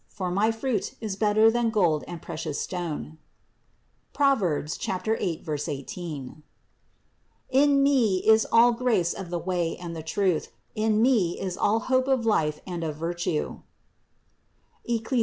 For my fruit is better than gold and precious stone" (Prov. 8, 18). "In me is all grace of the way and the truth, in me is all hope of life and of virtue" (Eccli.